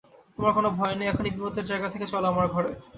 তোমার কোনো ভয় নেই, এখন এই বিপদের জায়গা থেকে চলো আমার ঘরে।